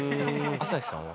朝日さんは？